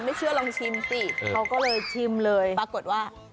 ไม่เชื่อลองชิมสิเขาก็เลยชิมเลยปรากฏว่า